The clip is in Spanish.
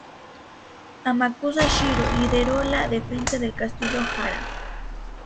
Amakusa Shirō lideró la defensa del castillo Hara.